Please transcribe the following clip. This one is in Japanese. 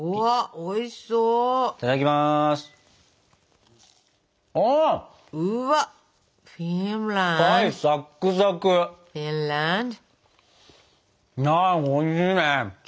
おいしいね。